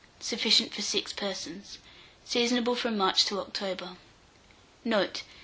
Sufficient for 6 persons. Seasonable from March to October. Note.